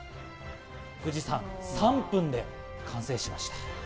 富士山、３分で完成しました。